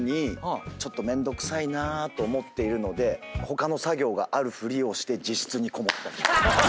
ちょっとめんどくさいなと思っているので他の作業があるふりをして自室にこもった。